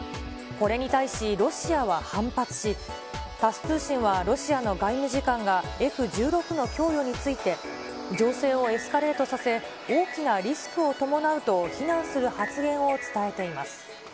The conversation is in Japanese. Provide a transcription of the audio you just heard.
これに対し、ロシアは反発し、タス通信は、ロシアの外務次官がＦ１６の供与について、情勢をエスカレートさせ、大きなリスクを伴うと非難する発言を伝えています。